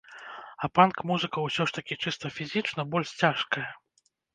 А панк-музыка ўсё ж такі чыста фізічна больш цяжкая.